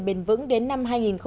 bền vững đến năm hai nghìn ba mươi